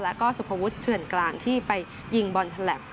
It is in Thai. แล้วก็สุภวุฒิเถื่อนกลางที่ไปยิงบอลฉลับ